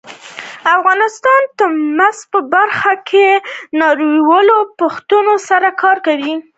افغانستان د مس په برخه کې نړیوالو بنسټونو سره کار کوي.